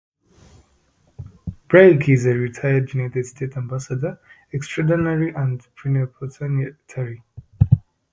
Blake is a retired United States Ambassador Extraordinary and Plenipotentiary.